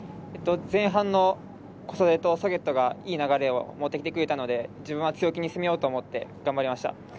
前半の小袖とソゲットがいい流れを持ってきてくれたので自分は強気に攻めようと思って頑張りました。